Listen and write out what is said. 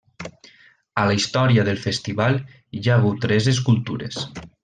A la història del festival hi ha hagut tres escultures.